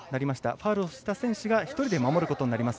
ファウルをした選手が１人で守ることになります。